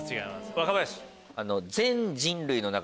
若林。